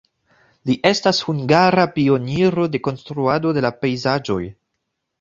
Li estas hungara pioniro de konstruado de la pejzaĝoj.